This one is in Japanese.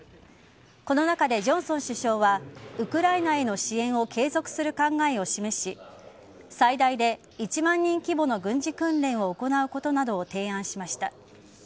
この中でジョンソン首相はウクライナへの支援を継続する考えを示し最大で１万人規模の軍事訓練を行うことなどを提案しました。